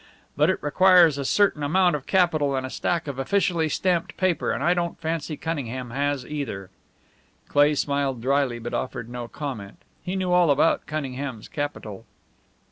But it requires a certain amount of capital and a stack of officially stamped paper, and I don't fancy Cunningham has either." Cleigh smiled dryly, but offered no comment. He knew all about Cunningham's capital.